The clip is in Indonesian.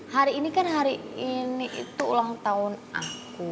hari ini kan hari ini itu ulang tahun aku